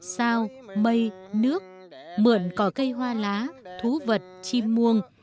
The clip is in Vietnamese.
sao mây nước mượn cỏ cây hoa lá thú vật chim muông